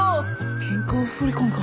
銀行振り込みか。